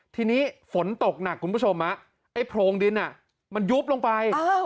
ทีนี้ฝนตกหนักคุณผู้ชมไอ้โพรงดินมันยุบลงไป